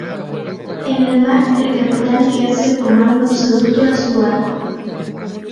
En el mar, el capitán ejerce el comando absoluto de su barco.